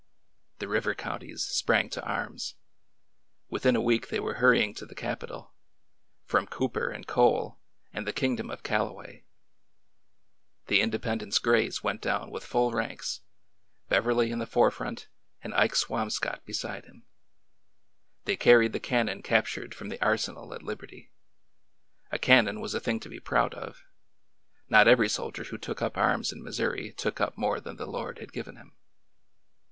The river counties sprang to arms. Within a week they were hurrying to the capital— from Cooper and Cole and the Kingdom of Callaway.'' The '' Independence Grays " went down with full ranks— Beverly in the forefront and Ike Swamscott be side him. They carried the cannon captured from the arsenal at Liberty. A cannon was a thing to be proud of. Not every soldier who took up arms in Missouri took up more than the Lord had given him.